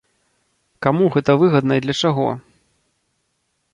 Каму гэта выгадна і для чаго?